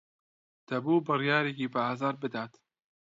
دەبوو بڕیارێکی بەئازار بدات.